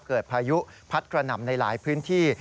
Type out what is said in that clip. พายุพัดกระหน่ำในหลายพื้นที่